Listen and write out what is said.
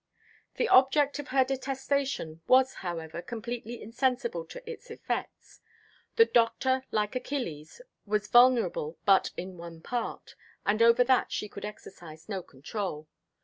The object of her detestation was, however, completely insensible to its effects. The Doctor, like Achilles, was vulnerable but in one part, and over that she could exercise no control.